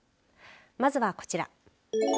まずはこちら。